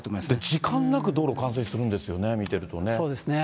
時間なく道路冠水するんですよね、見ているとね。